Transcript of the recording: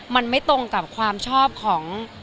มันไม่ตรงกับความชอบของ